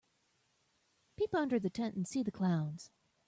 Peep under the tent and see the clowns.